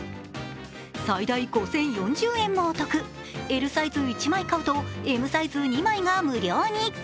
最大５０４０円もお得、Ｌサイズを１枚買うとＭサイズ２枚が無料に。